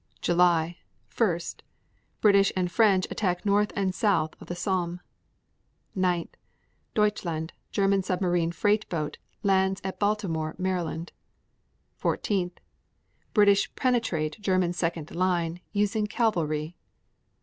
July 1. British and French attack north and south of the Somme. 9. Deutschland, German submarine freight boat, lands at Baltimore, Md. 14. British penetrate German second line, using cavalry.